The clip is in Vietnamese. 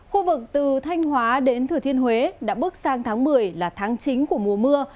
khu vực từ thanh hóa đến thừa thiên huế đã bước sang tháng một mươi là tháng chính của mùa mưa